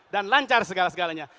dan lancar segala segalanya